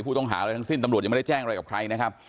ต้องอะไรทั้งสิ้นตำรวจยังไม่ได้แจ้งอะไรกับใครนะครับ